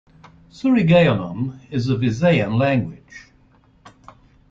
Surigaonon is a Visayan language.